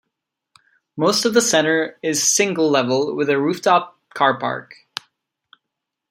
Most of the centre is single level with a rooftop carpark.